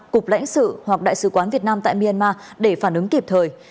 cục lãnh sự hoặc đại sứ quán việt nam tại myanmar để phản ứng kịp thời